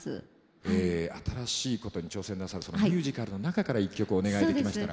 え新しいことに挑戦なさるミュージカルの中から１曲お願いできましたら。